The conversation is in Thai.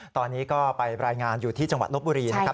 ตอนนี้ก็ไปรายงานอยู่ที่จังหวัดลบบุรีนะครับ